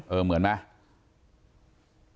เออเหมือนไหม